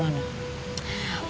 maksudnya tete gimana